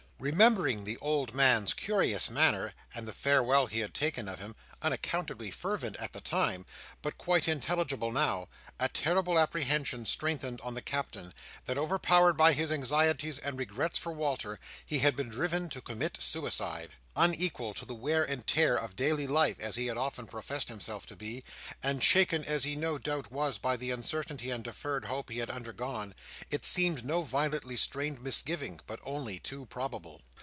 Remembering the old man's curious manner, and the farewell he had taken of him; unaccountably fervent at the time, but quite intelligible now: a terrible apprehension strengthened on the Captain, that, overpowered by his anxieties and regrets for Walter, he had been driven to commit suicide. Unequal to the wear and tear of daily life, as he had often professed himself to be, and shaken as he no doubt was by the uncertainty and deferred hope he had undergone, it seemed no violently strained misgiving, but only too probable.